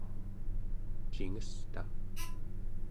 cingesta